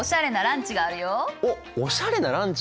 おっおしゃれなランチ？